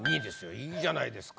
いいじゃないですか。